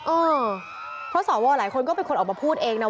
เออเพราะสวหลายคนก็เป็นคนออกมาพูดเองนะ